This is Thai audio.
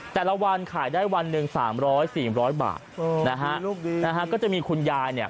แต่ละวันขายได้วันหนึ่ง๓๐๐๔๐๐บาทก็จะมีคุณยายเนี่ย